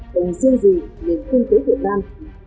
không riêng gì về kinh tế việt nam